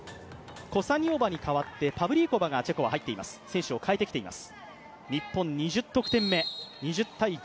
コサニオバに代わって、パブリーコバがチェコは入っています選手を代えてきています。